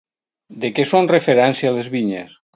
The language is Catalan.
De què són referència les vinyes?